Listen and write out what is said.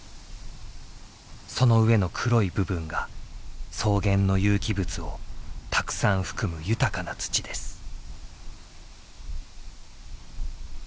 その上の黒い部分が草原の有機物をたくさん含む豊かな土です。